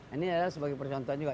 ini adalah sebagai percontohan juga